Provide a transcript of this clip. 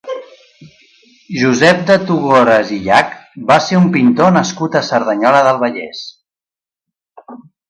Josep de Togores i Llach va ser un pintor nascut a Cerdanyola del Vallès.